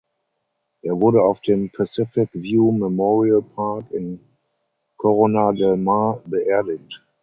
Er wurde auf dem "Pacific View Memorial Park" in Corona del Mar beerdigt.